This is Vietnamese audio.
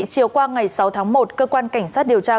chiều qua ngày sáu tháng một cơ quan cảnh sát điều tra